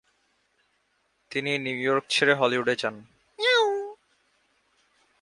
তিনি New York ছেড়ে হলিউডে যান।